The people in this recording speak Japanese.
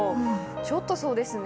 ちょっと、そうですね。